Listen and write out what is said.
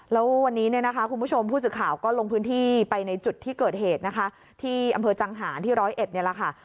แล้ววันนี้คุณผู้ชมผู้สื่อข่าวก็ลงพื้นที่ไปในจุดที่เกิดเหตุที่อำเภอจังหาที่๑๐๑นี่แหละค่ะ